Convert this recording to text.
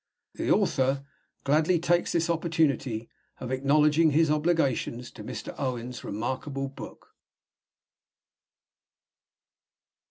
The author gladly takes this opportunity of acknowledging his obligations to Mr. Owen's remarkable book.